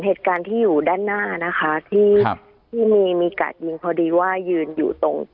เหตุการณ์ที่อยู่ด้านหน้านะคะที่ที่มีมีการยิงพอดีว่ายืนอยู่ตรง